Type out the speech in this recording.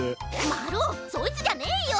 まるおそいつじゃねえよ！